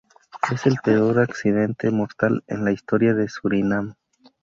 Es el peor accidente mortal en la historia de Surinam.